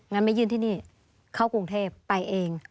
งั้นไม่ยื่นที่นี่เข้ากรุงเทพไปเอง